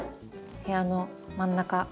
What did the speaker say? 部屋の真ん中。